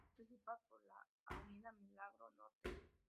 Acceso principal por la Avenida Milagro Norte.